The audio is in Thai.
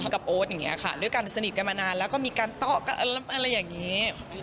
กับโอ๊ตอย่างนี้ค่ะด้วยกันสนิทกันมานานแล้วก็มีการเตาะอะไรอย่างนี้